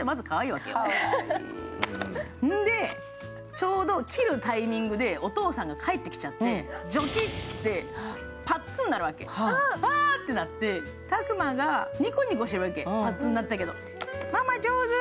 ちょうど切るタイミングでお父さんが帰ってきちゃって、ジョキっていってパッツンなるわけ、わーってなってタクマがニコニコしてるわけパッツンになったけど。